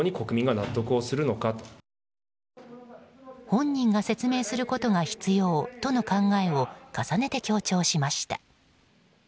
本人が説明することが必要との考えを重ねて強調しました。